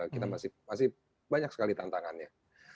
kita masih banyak sekali tantangannya